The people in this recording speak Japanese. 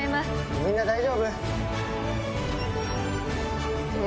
みんな大丈夫？